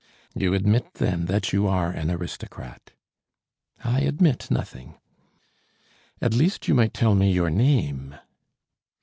"You admit, then, that you are an aristocrat?" "I admit nothing." "At least you might tell me your name."